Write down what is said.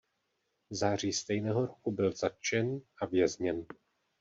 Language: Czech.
V září stejného roku byl zatčen a vězněn.